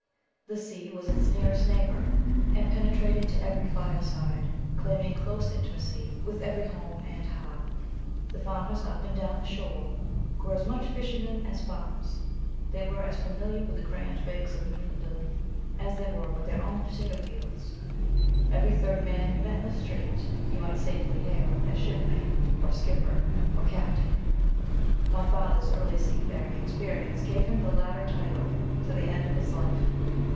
The sea was its nearest neighbor, and penetrated to every fireside, claiming close intimacy with every home and heart. The farmers up and down the shore were as much fishermen as farmers; they were as familiar with the Grand Banks of Newfoundland as they were with their own potato fields. Every third man you met in the street, you might safely hail as "Shipmate," or "Skipper," or "Captain." My father's early seafaring experience gave him the latter title to the end of his life.